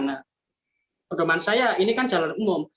nah pedoman saya ini kan jalan umum